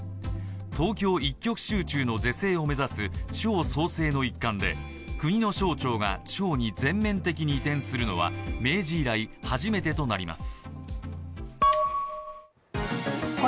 東京一極集中の是正を目指す地方創生の一環で国の省庁が地方に全面的に移転するのは明治以来、初めてとなります。